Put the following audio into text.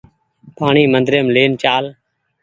پآڻيٚ مندريم لين چآل